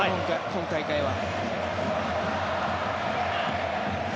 今大会は。